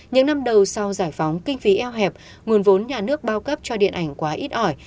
những năm đầu sau giải phóng kinh phí eo hẹp nguồn vốn nhà nước bao cấp cho điện ảnh quá ít ỏi